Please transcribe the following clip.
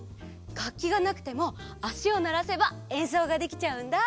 がっきがなくてもあしをならせばえんそうができちゃうんだ。